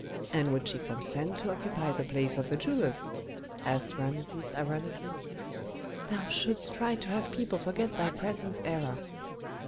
"And would she consent to occupy the place of the Jewess?" asked Rameses, ironically. "Thou shouldst try to have people forget thy present error."